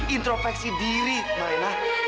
intropeksi diri marena